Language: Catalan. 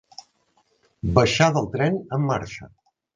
Baixar del tren en marxa.